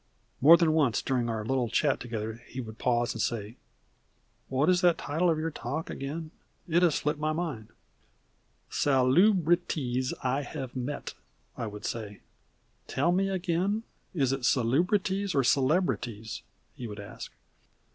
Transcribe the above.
More than once during our little chat together he would pause and say: "What is the title of your talk again? It has slipped my mind." "Sal u bri ties I Have Met," I would say. "Tell me again is it Salubrities or Celebrities?" he would ask.